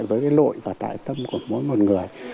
cũng như nhìn lại với lội và tải tâm của mỗi một người